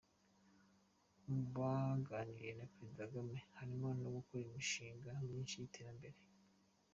Mu bo baganiriye na Perezida Kagame harimo no gukora imishinga myinshi y’iterambere.